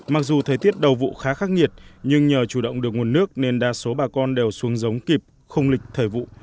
mặc dù thời tiết đầu vụ khá khắc nghiệt nhưng nhờ chủ động được nguồn nước nên đa số bà con đều xuống giống kịp không lịch thời vụ